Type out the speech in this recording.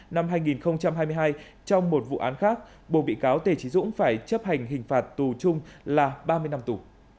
năm hai nghìn hai mươi hai trong một vụ án khác bộ bị cáo tề trí dũng phải chấp hành hình phạt tù chung là ba mươi năm tù